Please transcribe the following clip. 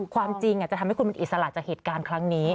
ความจริงจะทำให้คุณมันอิสระจากเหตุการณ์ครั้งนี้